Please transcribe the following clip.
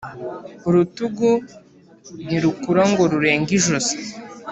Urutugu ntirukura ngo rurenge ijosi.